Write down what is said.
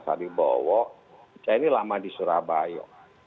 saya ini lama di surabaya